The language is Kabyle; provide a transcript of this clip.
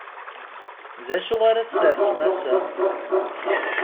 D acu ara tessersem ass-a?